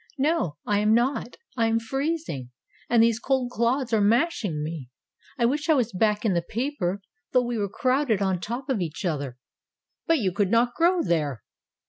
"No, I am not. I am freezing, and these cold clods are mashing me. I wish I was back in the paper though we were crowded on top of each other." "But you could not grow there."